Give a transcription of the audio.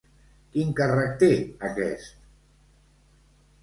Quin càrrec té aquest?